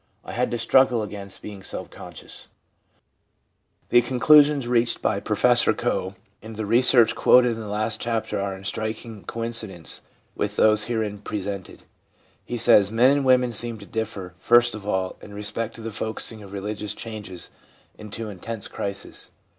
I had to struggle against being self conscious/ The conclusions reached by Prof. Coe in the research quoted in the last chapter are in striking coincidence with those herein presented. He says :— 'Men and women seem to differ, first of all, in respect to the focusing of religious changes into intense crises.